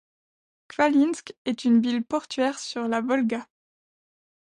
Khvalynsk est une ville portuaire sur la Volga.